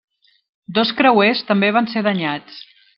Dos creuers també van ser danyats.